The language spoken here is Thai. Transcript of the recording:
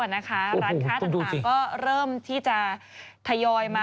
ร้านค้าต่างก็เริ่มที่จะทยอยมา